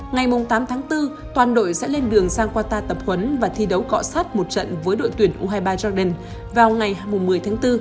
ngày tám tháng bốn toàn đội sẽ lên đường sang qatar tập huấn và thi đấu cọ sát một trận với đội tuyển u hai mươi ba jordan vào ngày một mươi tháng bốn